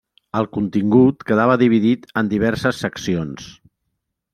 El contingut quedava dividit en diverses seccions.